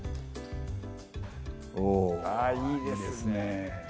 おぉあぁいいですね